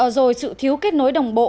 rồi sự thiếu kết nối đồng bộ